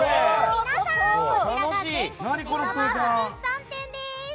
皆さん、こちらが全国メタバース物産展です。